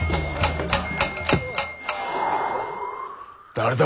誰だ？